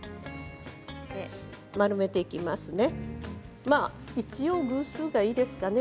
丸めていきますね。